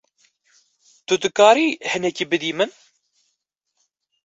Tu dikarî hinekî bidî min?